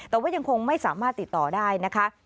แต่ว่ายังคงไม่สามารถติดต่อได้นะคะ